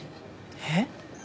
えっ？